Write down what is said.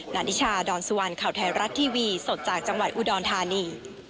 นานิชาดอนสุวรรณข่าวไทยรัฐทีวีสดจากจังหวัดอุดรธานี